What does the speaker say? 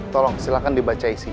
tolong silahkan dibaca isinya